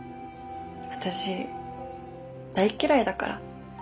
私大嫌いだから。